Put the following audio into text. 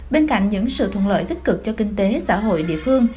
bên cạnh những sự thuận lợi tích cực cho kinh tế xã hội địa phương